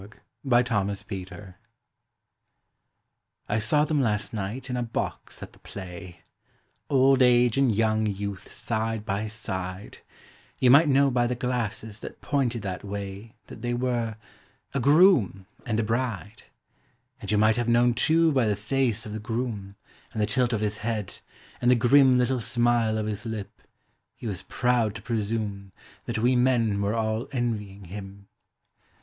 In a Box I saw them last night in a box at the play Old age and young youth side by side You might know by the glasses that pointed that way That they were a groom and a bride; And you might have known, too, by the face of the groom, And the tilt of his head, and the grim Little smile of his lip, he was proud to presume That we men were all envying him.